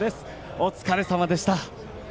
お疲れさまでした。